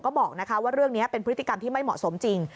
บอกว่าเรื่องนี้เป็นพฤติกรรมที่ไม่เหมาะสมจริง